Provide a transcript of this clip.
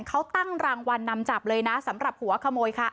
เขาตั้งรางวัลนำจับเลยนะสำหรับหัวขโมยค่ะ